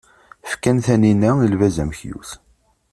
Fkan taninna, i lbaz amekyus.